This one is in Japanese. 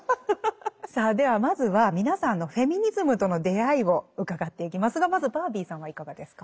さあではまずは皆さんのフェミニズムとの出会いを伺っていきますがまずバービーさんはいかがですか。